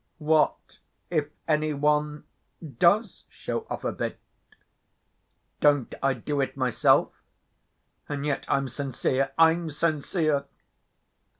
What if any one does show off a bit? Don't I do it myself? And yet I'm sincere, I'm sincere.